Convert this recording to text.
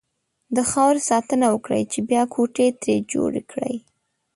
د خاورې ساتنه وکړئ! چې بيا کوټې ترې جوړې کړئ.